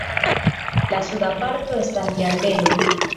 La suda parto estas ĝardeno.